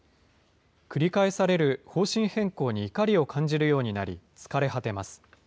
繰り返される方針変更に怒りを感じるようになり、疲れ果てます。